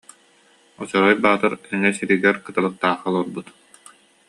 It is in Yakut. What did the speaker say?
Очорой Баатыр Эҥэ сиригэр Кыталыктаахха олорбут